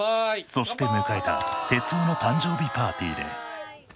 そして迎えた徹生の誕生日パーティーで。